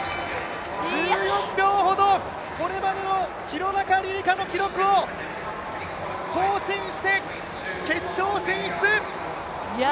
１４秒ほど、これまでの廣中璃梨佳の記録を更新して決勝進出。